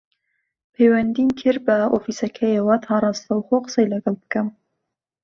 پەیوەندیم کرد بە ئۆفیسەکەیەوە تا ڕاستەوخۆ قسەی لەگەڵ بکەم